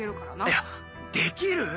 いやできる？